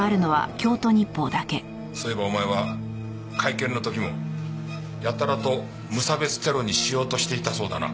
そういえばお前は会見の時もやたらと無差別テロにしようとしていたそうだな。